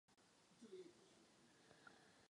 Severní hranicí jsou dvojí útesy.